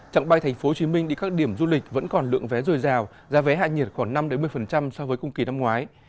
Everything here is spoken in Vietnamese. trạng bay tp hcm đi các điểm du lịch vẫn còn lượng vé dồi dào giá vé hạ nhiệt khoảng năm một mươi so với cùng kỳ năm ngoái